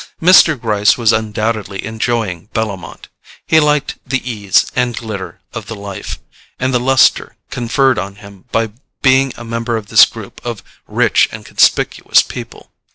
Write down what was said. Mr. Gryce was undoubtedly enjoying Bellomont. He liked the ease and glitter of the life, and the lustre conferred on him by being a member of this group of rich and conspicuous people.